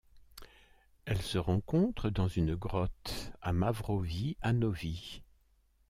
Elle se rencontre dans une grotte à Mavrovi Anovi.